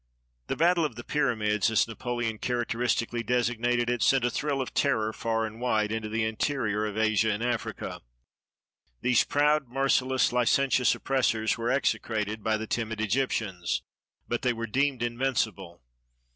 The "Battle of the Pyramids," as Napoleon charac teristically designated it, sent a thrill of terror far and wide into the interior of Asia and Africa. These proud, merciless, licentious oppressors were execrated by the timid Egyptians, but they were deemed invincible.